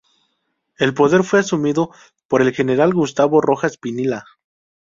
El poder fue asumido por el general Gustavo Rojas Pinilla.